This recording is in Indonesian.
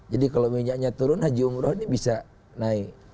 jadi kalau minyaknya turun haji umroh ini bisa naik